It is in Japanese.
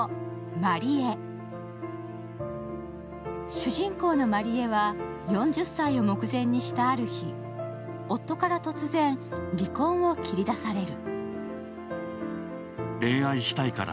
主人公のまりえは、４０歳を目前にしたある日、夫から突然、離婚を切り出される。